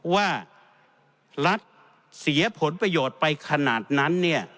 ว่ารัฐเสียผลประโยชน์ไปขนาดนั้นเนี่ย